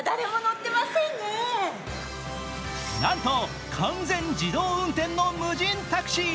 なんと完全自動運転の無人タクシー。